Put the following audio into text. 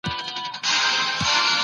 پاکو اوبو ته لاسرسی اسانه سوی و.